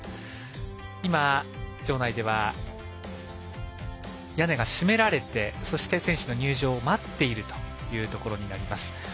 今、場内は屋根が閉められてそして、選手の入場を待っているところです。